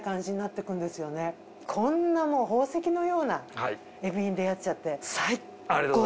こんなもう宝石のようなエビに出会っちゃって最高です。